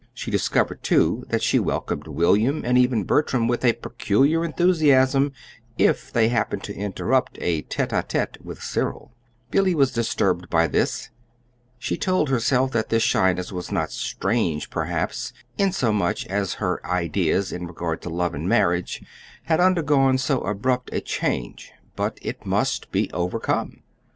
She discovered, too, that she welcomed William, and even Bertram, with peculiar enthusiasm if they happened to interrupt a tete a tete with Cyril. Billy was disturbed at this. She told herself that this shyness was not strange, perhaps, inasmuch as her ideas in regard to love and marriage had undergone so abrupt a change; but it must be overcome.